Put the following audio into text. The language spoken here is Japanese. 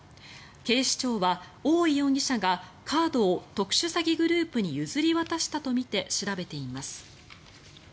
警視庁は、大井容疑者がカードを特殊詐欺グループに譲り渡したとみて調べています。